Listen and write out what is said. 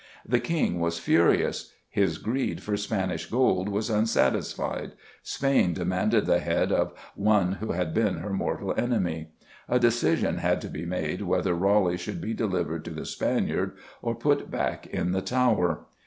The King was furious; his greed for Spanish gold was unsatisfied; Spain demanded the head of "one who had been her mortal enemy." A decision had to be made whether Raleigh should be delivered to the Spaniard or put back in the Tower.